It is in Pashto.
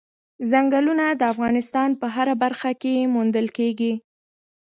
ځنګلونه د افغانستان په هره برخه کې موندل کېږي.